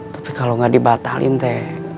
tapi kalau nggak dibatalin teh